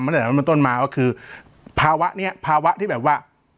ตั้งแต่นั้นเป็นต้นมาก็คือภาวะนี้ภาวะที่แบบว่า